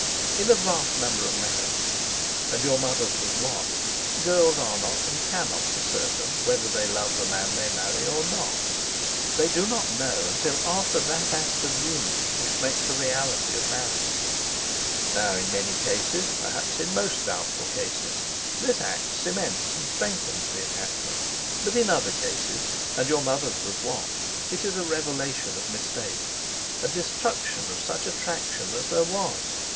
In a vast number of marriages and your mother's was one—girls are not and cannot be certain whether they love the man they marry or not; they do not know until after that act of union which makes the reality of marriage. Now, in many, perhaps in most doubtful cases, this act cements and strengthens the attachment, but in other cases, and your mother's was one, it is a revelation of mistake, a destruction of such attraction as there was.